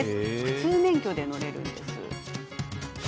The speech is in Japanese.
普通免許で乗れるんです。